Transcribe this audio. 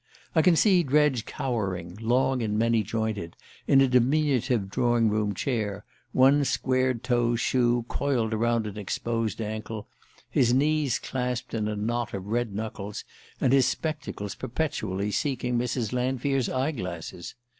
I can see Dredge cowering, long and many jointed, in a diminutive drawing room chair, one square toed shoe coiled round an exposed ankle, his knees clasped in a knot of red knuckles, and his spectacles perpetually seeking Mrs. Lanfear's eye glasses.